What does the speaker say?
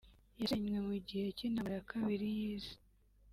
yasenywe mu gihe cy’intambara ya kabiri y’Isi